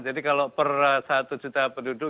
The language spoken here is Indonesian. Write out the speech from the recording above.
kalau per satu juta penduduk